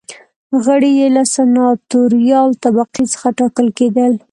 غړي یې له سناتوریال طبقې څخه ټاکل کېدل.